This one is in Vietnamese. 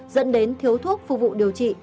dẫn đến thiếu thuốc phục vụ điều trị